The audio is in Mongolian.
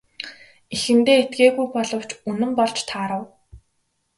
Эхэндээ итгээгүй боловч үнэн болж таарав.